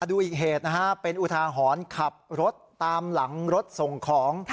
ดูอีกเหตุนะฮะเป็นอุทาหรณ์ขับรถตามหลังรถส่งของ